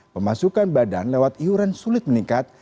pemasukan badan lewat iuran sulit meningkat